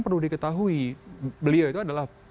perlu diketahui beliau itu adalah